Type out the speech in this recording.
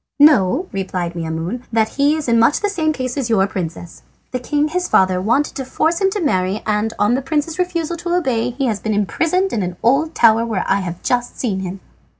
"Know," replied Maimoune, "that he is in much the same case as your princess. The king, his father, wanted to force him to marry, and on the prince's refusal to obey he has been imprisoned in an old tower where I have just seen him."